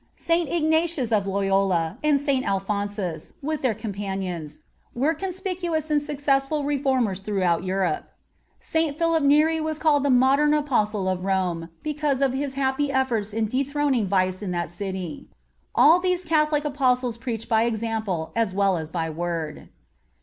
St. Ignatius of Loyola and St. Alphonsus, with their companions, were conspicuous and successful reformers throughout Europe. St. Philip Neri was called the modern Apostle of Rome because of his happy efforts in dethroning vice in that city. All these Catholic Apostles preach by example as well as by word.